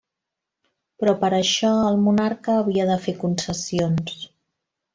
Però per a això el monarca havia de fer concessions.